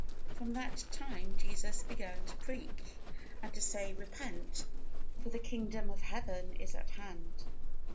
From that time Jesus began to preach, and to say, Repent: for the Kingdom of Heaven is at hand.